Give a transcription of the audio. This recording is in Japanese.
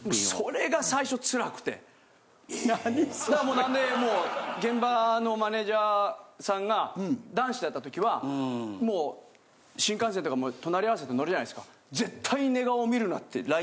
なんでもう現場のマネジャーさんが男子だった時はもう新幹線とかも隣合わせで乗るじゃないですか。